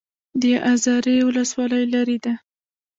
د ازرې ولسوالۍ لیرې ده